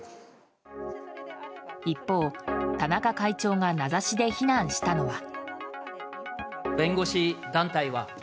一方、田中会長が名指しで非難したのは。